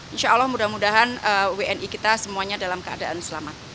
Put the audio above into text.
insya allah mudah mudahan wni kita semuanya dalam keadaan selamat